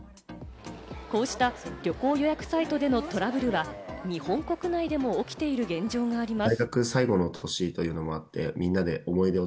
こうした旅行予約サイトでのトラブルは日本国内でも起きている現状があります。